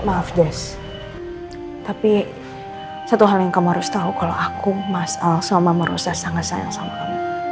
hai maaf des tapi satu hal yang kamu harus tahu kalau aku mas al sama merosot sangat sayang sama